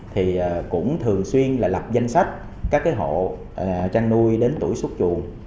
thì cũng thường xuyên là lập danh sách các cái hộ trăn nuôi đến tuổi xuất chuồng